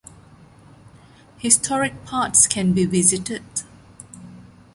Historic parts can be visited.